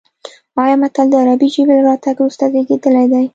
ایا متل د عربي ژبې له راتګ وروسته زېږېدلی دی